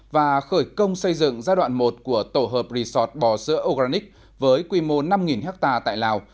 và khởi công xây dựng giai đoạn một của tổ hợp resort bò sữa organic với quy mô năm ha tại lào